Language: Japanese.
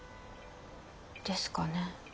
ですかね。